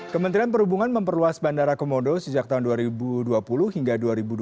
kementerian perhubungan memperluas bandara komodo sejak tahun dua ribu dua puluh hingga dua ribu dua puluh